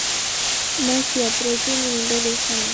Masi ya protoni ni ndogo sana.